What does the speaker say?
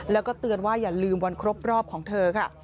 แล้วก็เตือนว่าอย่าลืมวันครบรอบของเธอค่ะ